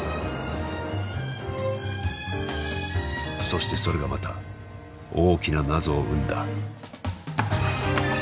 そしてそれがまた大きな謎を生んだ。